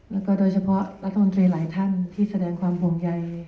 แล้วก็โดยเฉพาะรัฐมนตรีหลายท่านที่แสดงความห่วงใย